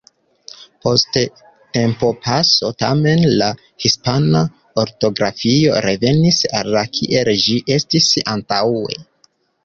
Post tempopaso, tamen, la hispana ortografio revenis al kiel ĝi estis antaŭe.